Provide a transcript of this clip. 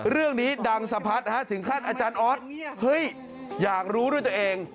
เรื่องนี้ดังสะพัดถึงขั้นอาจารย์ออสเฮ้ยอยากรู้ด้วยตัวเอง